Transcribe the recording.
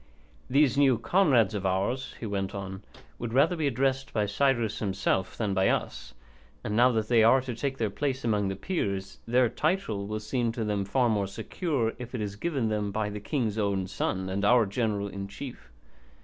These new comrades of ours," he went on, "would rather be addressed by Cyrus himself than by us, and now that they are to take their place among the Peers their title will seem to them far more secure if it is given them by the king's own son and our general in chief.